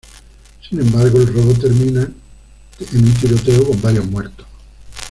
Sin embargo, el robo termina en un tiroteo con varios muertos.